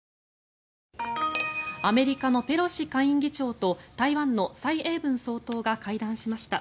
アメリカのペロシ下院議長と台湾の蔡英文総統が会談しました。